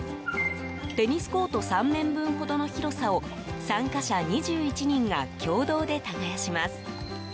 テニスコート３面分ほどの広さを参加者２１人が共同で耕します。